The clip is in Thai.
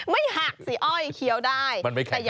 ไม่หักสิอ้อยเขี้ยวได้แต่อย่ากลื่นนะ